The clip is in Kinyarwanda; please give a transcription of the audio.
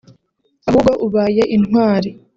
Ahubwo ubaye intwari